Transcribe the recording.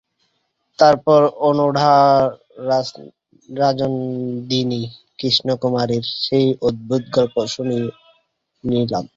তারপর অনূঢ়া রাজনন্দিনী কৃষ্ণকুমারীর সেই অদ্ভুত গল্প শুনিলাম।